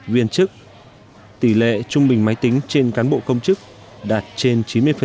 viên chức tỷ lệ trung bình máy tính trên cán bộ công chức đạt trên chín mươi